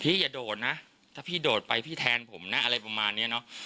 อย่าโดดนะถ้าพี่โดดไปพี่แทนผมนะอะไรประมาณเนี้ยเนอะ